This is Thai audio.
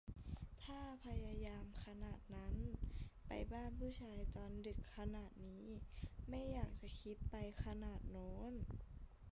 ถ้าพยายามขนาดนั้น ไปบ้านผู้ชายตอนดึกขนาดนี้ ไม่อยากจะคิดไปขนาดโน้น